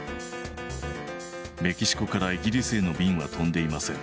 メキシコからイギリスへの便は飛んでいません。